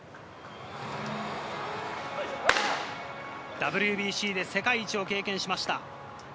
ＷＢＣで世界一を経験しました。